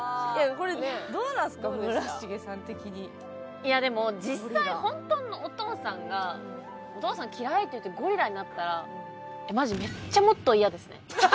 いやでも実際本当のお父さんが「お父さん嫌い」って言ってゴリラになったらマジめっちゃもっと嫌ですね。